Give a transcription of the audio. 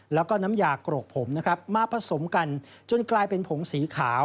แล้วก็น้ำยาโกรกผมนะครับมาผสมกันจนกลายเป็นผงสีขาว